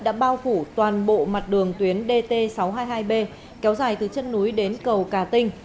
đã bao phủ toàn bộ mặt đường tuyến dt sáu trăm hai mươi hai b kéo dài từ chân núi đến cầu cà tinh